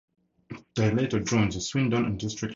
They later joined the Swindon and District League.